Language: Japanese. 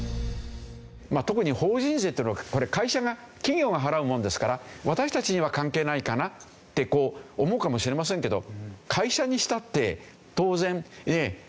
特に法人税っていうのはこれ会社が企業が払うものですから私たちには関係ないかなってこう思うかもしれませんけど会社にしたって当然ね